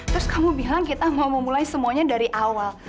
terus kamu bilang kita mau memulai semuanya dari awal